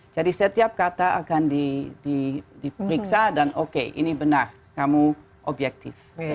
jadi setiap kata akan diperiksa dan oke ini benar kamu objektif